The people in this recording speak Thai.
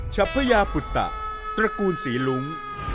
ชัพพญาปุตตะตระกูลศรีลุ้ง